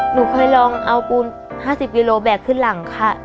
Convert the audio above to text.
หนูเคยลองเอาปูน๕๐กิโลแบกขึ้นหลังค่ะ